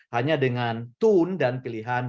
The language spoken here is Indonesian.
hanya dengan tone dan pilihan